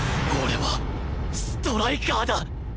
俺はストライカーだ！